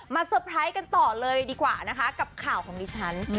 เซอร์ไพรส์กันต่อเลยดีกว่านะคะกับข่าวของดิฉัน